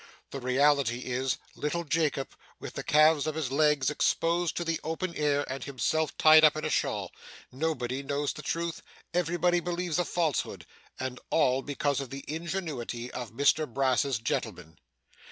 The reality is, little Jacob, with the calves of his legs exposed to the open air, and himself tied up in a shawl. Nobody knows the truth; everybody believes a falsehood; and all because of the ingenuity of Mr Brass's gentleman.